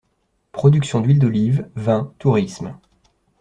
Production d'huile d'olive, vin, tourisme.